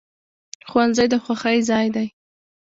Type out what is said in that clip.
ښوونځی د خوښۍ ځای دی